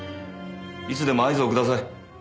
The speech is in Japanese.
いつでも合図をください。